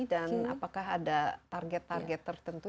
dan apakah ada target target tertentu